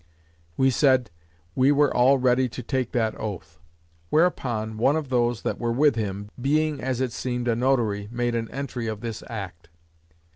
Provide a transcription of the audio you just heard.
We said, "We were all ready to take that oath." Whereupon one of those that were with him, being (as it seemed) a notary, made an entry of this act.